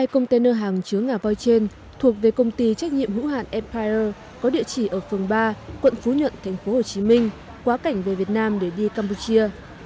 hai container hàng chứa ngà voi trên thuộc về công ty trách nhiệm hữu hạn empierre có địa chỉ ở phường ba quận phú nhuận tp hcm quá cảnh về việt nam để đi campuchia